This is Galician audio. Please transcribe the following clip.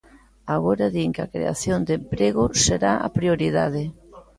Agora din que a creación de emprego será a prioridade.